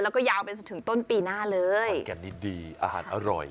แล้วก็ยาวไปจนถึงต้นปีหน้าเลยขอนแก่นนี่ดีอาหารอร่อย